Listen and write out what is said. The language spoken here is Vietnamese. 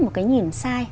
một cái nhìn sai